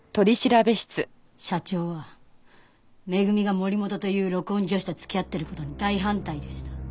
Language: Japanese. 社長は恵が森本という録音助手と付き合ってる事に大反対でした。